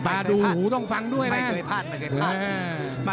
ป้าดูหูน้องฟังด้วยน่ะ